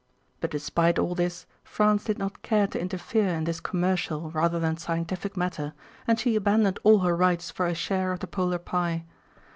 But despite all this France did not care to interfere in this commercial rather than scientific matter, and she abandoned all her rights for a share of the polar pie.